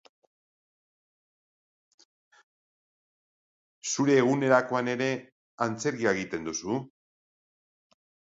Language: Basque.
Zure egunerokoan ere, antzerkia egiten duzu?